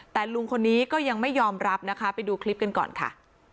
แต่ลุงคนนี้ก็ยังไม่ยอมรับนะคะไปดูคลิปกันก่อนค่ะ